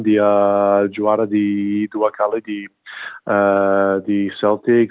dia juara dua kali di celtic